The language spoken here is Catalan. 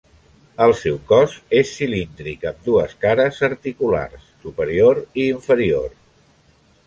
El seu cos és cilíndric, amb dues cares articulars, superior i inferior.